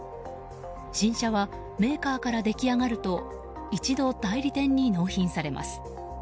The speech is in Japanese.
新車はメーカーから出来上がると一度、代理店に納品されます。